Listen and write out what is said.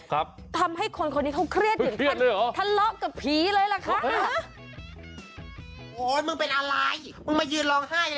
ครับแต่เป็นเพียรเนี่ยเหรอ